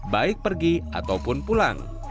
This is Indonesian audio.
baik pergi ataupun pulang